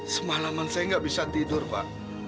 semalaman saya nggak bisa tidur pak